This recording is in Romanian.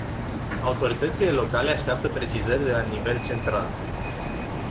Autoritățile locale așteaptă precizări de la nivel central.